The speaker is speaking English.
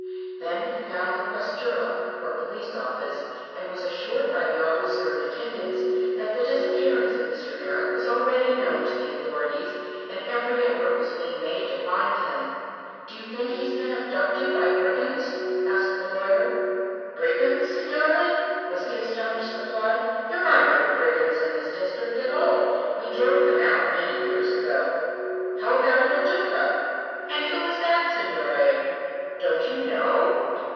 Then he found the questura, or police office, and was assured by the officer in attendance that the disappearance of Mr. Merrick was already known to the authorities and every effort was being made to find him. "Do you think he has been abducted by brigands?" asked the lawyer. "Brigands, signore?" was the astonished reply. "There are no brigands in this district at all. We drove them out many years ago." "How about Il Duca?" "And who is that, signore?" "Don't you know?"